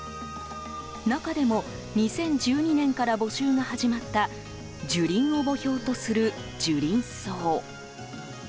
中でも２０１２年から募集が始まった樹林を墓標とする樹林葬。